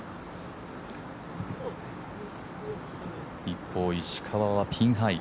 一方、石川はピンハイ。